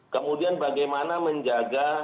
kemudian bagaimana menjaga